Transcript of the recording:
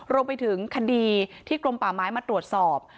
รวมไปถึงคดีที่กรมป่าไม้มาตรวจสอบ